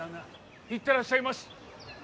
行ってらっしゃいまし！